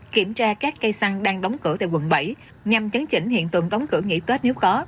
kiểm tra các cây xăng đang đóng cửa tại quận bảy nhằm chấn chỉnh hiện tượng đóng cửa nghỉ tết nếu có